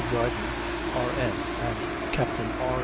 Garden, R.N., and Captain R.